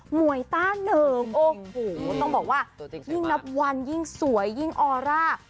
มวยต้าหนึ่งโอ้โหต้องบอกว่ายิ่งนับวันยิ่งสวยยิ่งออร่า